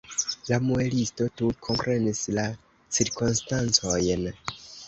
La muelisto tuj komprenis la cirkonstancojn.